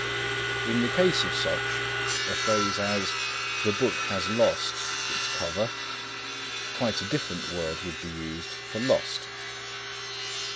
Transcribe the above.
In the case of such, a phrase as "The book has lost" its cover, quite a different word would be used for "lost."